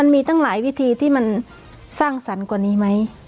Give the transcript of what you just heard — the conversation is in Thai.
มีตั้งหลายวิธีที่มันสร้างสรรค์กว่านี้ไหม